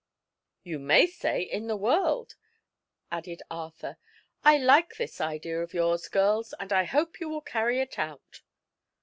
"You may say, 'in the world,'" added Arthur. "I like this idea of yours, girls, and I hope you will carry it out."